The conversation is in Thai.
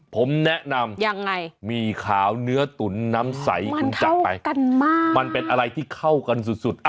ผมแนะนำมีขาวเนื้อตุ๋นน้ำใสมันเป็นอะไรที่เข้ากันสุด